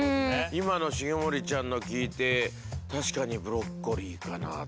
今の重盛ちゃんの聞いて確かにブロッコリーかなと。